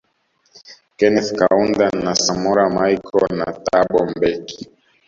Keneth Kaunda na Samora Michael na Thabo mbeki